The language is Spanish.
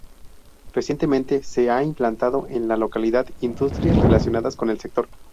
Recientemente, se ha implantado en la localidad industrias relacionadas con el sector.